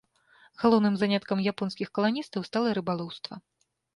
Галоўным заняткам японскіх каланістаў стала рыбалоўства.